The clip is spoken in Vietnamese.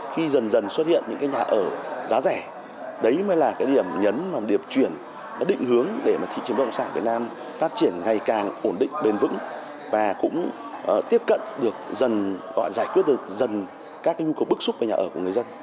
khi dần dần xuất hiện những cái nhà ở giá rẻ đấy mới là cái điểm nhấn và một điểm chuyển định hướng để mà thị trường bộ cộng sản việt nam phát triển ngày càng ổn định bền vững và cũng tiếp cận được dần gọi là giải quyết được dần các cái nhu cầu bức xúc về nhà ở của người dân